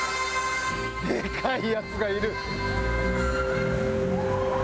でかいヤツがいる！